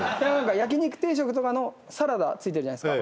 焼き肉定食とかのサラダ付いてるじゃないですか